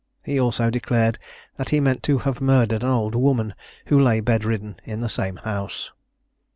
He also declared that he meant to have murdered an old woman who lay bed ridden in the same house.